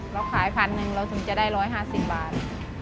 เราขายพันหนึ่งเราถึงจะได้๑๕๐บาท